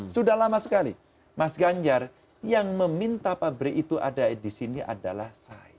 sudah lama sekali mas ganjar yang meminta pabrik itu ada di sini adalah saya